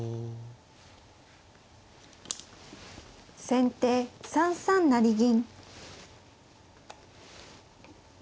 先手３三成銀。